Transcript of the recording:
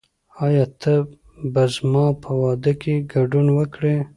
آیا ته به زما په واده کې ګډون وکړې؟